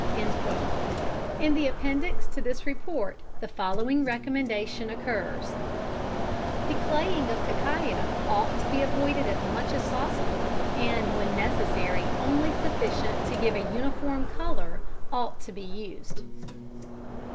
In the appendix to this report the following recommendation occurs: "The claying of cacao ought to be avoided as much as possible, and when necessary only sufficient to give a uniform colour ought to be used."